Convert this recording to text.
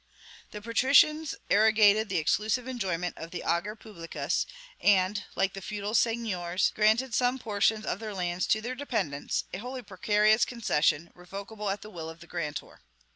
"The patricians arrogated the exclusive enjoyment of the ager publicus; and, like the feudal seigniors, granted some portions of their lands to their dependants, a wholly precarious concession, revocable at the will of the grantor.